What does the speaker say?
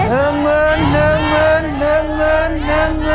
๑หมื่นบาท